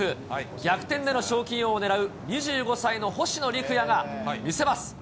逆転での賞金王を狙う２５歳の星野陸也が見せます。